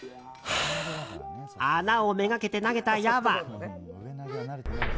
穴をめがけて投げた矢は。